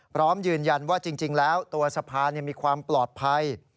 พร้อมยืนยันว่าจริงแล้วตัวสะพานมีความปลอดภัย